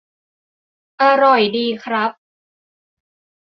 - อร่อยดีครับ